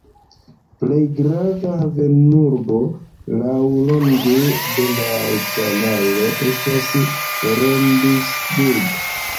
Plej grava havenurbo laŭlonge de la kanalo estas Rendsburg.